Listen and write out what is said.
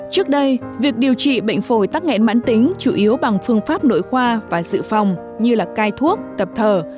trước đây việc điều trị bệnh phổi tăng nghẹn mãn tính chủ yếu bằng phương pháp nội khoa và dự phòng như cai thuốc tập thờ